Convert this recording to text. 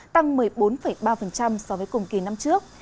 tăng một mươi bốn ba so với cùng kỳ năm trước